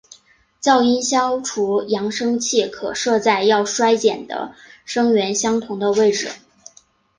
噪音消除扬声器可设在要衰减的声源相同的位置。